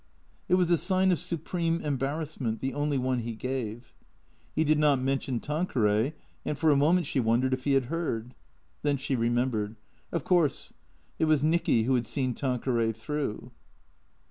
It was a sign of supreme embarrassment, the only one he gave. He did not mention Tanqueray, and for a moment she wondered if he had heard. Then she remembered. Of course, it was Nicky who had seen Tanqueray through.